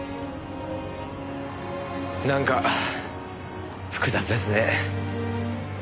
なんか複雑ですね。